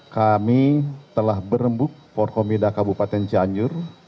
kami telah berembuk porkominda kabupaten cianyur